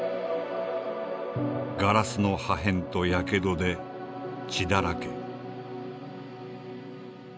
「ガラスの破片と火傷で血だらけ」。